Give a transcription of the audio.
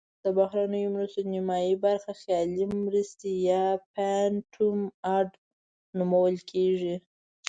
د بهرنیو مرستو نزدې نیمایي برخه خیالي مرستې یا phantom aid نومول کیږي.